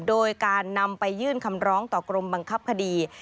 โดยการนำไปยื่นคำร้องต่อกรมบังคับคดี